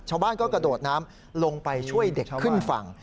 ชาวบ้านก็กระโดดน้ำลงไปช่วยเด็กขึ้นฝั่ง